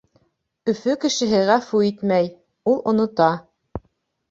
Өфө кешеһе ғәфү итмәй, ул онота.